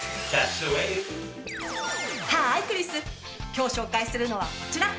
今日紹介するのはこちら。